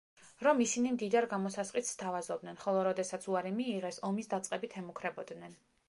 რომ ისინი მდიდარ გამოსასყიდს სთავაზობდნენ, ხოლო როდესაც უარი მიიღეს, ომის დაწყებით ემუქრებოდნენ.